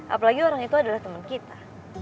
apalagi orang itu adalah teman kita